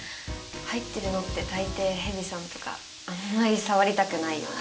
入ってるのって大抵ヘビさんとかあんまり触りたくないような。